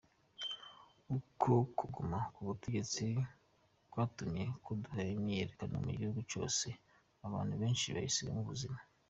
Ukwo kuguma ku butegetsi kwatumye haduka imyiyerekano mu gihugu cose, abantu benshi bayisigamwo ubuzima.